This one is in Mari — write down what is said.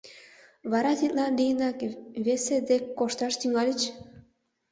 — Вара тидлан лийынак весе дек кошташ тӱҥальыч?